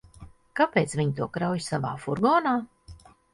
Kāpēc viņa to krauj savā furgonā?